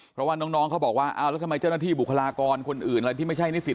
เพราะว่าน้องเขาบอกว่าอ้าวแล้วทำไมเจ้าหน้าที่บุคลากรคนอื่นอะไรที่ไม่ใช่นิสิต